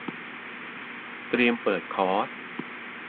เตรียมเปิดคอร์ส